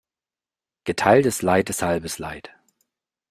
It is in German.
Geteiltes Leid ist halbes Leid.